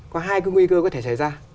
có hai cái nguy cơ có thể xảy ra